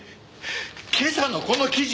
今朝のこの記事！